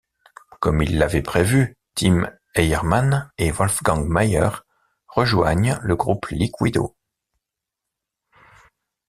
Comme ils l'avaient prévu, Tim Eiermann et Wolfgang Maier rejoignent le groupe Liquido.